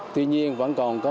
tuy nhiên vẫn còn có một